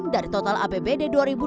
dari total apbd dua ribu dua puluh